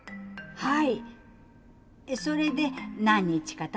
はい。